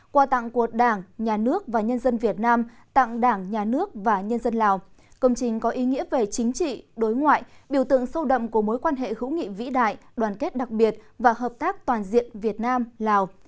qua tặng của đảng nhà nước và nhân dân việt nam tặng đảng nhà nước và nhân dân lào công trình có ý nghĩa về chính trị đối ngoại biểu tượng sâu đậm của mối quan hệ hữu nghị vĩ đại đoàn kết đặc biệt và hợp tác toàn diện việt nam lào